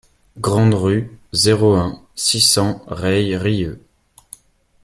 Grande Rue, zéro un, six cents Reyrieux